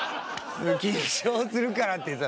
緊張するからってさ。